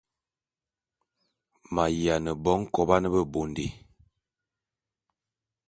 Ma’yiane bo nkoban bebondé.